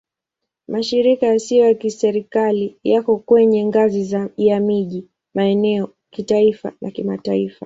Mashirika yasiyo ya Kiserikali yako kwenye ngazi ya miji, maeneo, kitaifa na kimataifa.